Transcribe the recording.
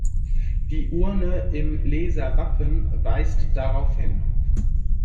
Die Urne im Leeser Wappen weist darauf hin.